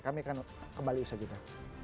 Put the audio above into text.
kami akan kembali usahanya